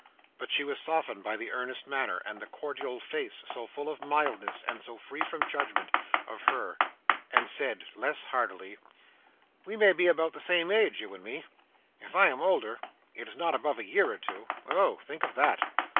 But she was softened by the earnest manner, and the cordial face so full of mildness and so free from judgment, of her, and said, less hardily: "We may be about the same age, you and me. If I am older, it is not above a year or two. Oh think of that!"